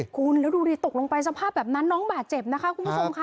คุณแล้วดูดิตกลงไปสภาพแบบนั้นน้องบาดเจ็บนะคะคุณผู้ชมค่ะ